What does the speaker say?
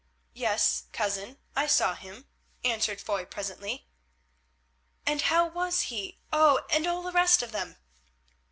"Yes, cousin, I saw him," answered Foy presently. "And how was he—oh! and all the rest of them?"